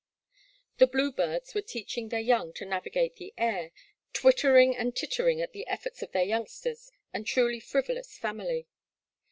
The blue birds were teaching their young to navigate the air, twitter ing and tittering at the efforts of their youngsters, a truly frivolous family.